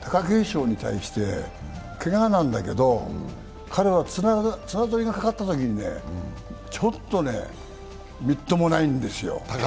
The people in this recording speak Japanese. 貴景勝に対して、けがなんだけど、彼は綱取りがかかったときに、ちょっとみっともないんですよ。